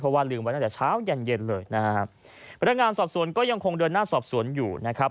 เพราะว่าลืมไว้นึกว่าแต่เช้าเย็นเลยพรฟีมารณสอบสวนก็ยังคงเดินหน้าสอบสวนอยู่นะครับ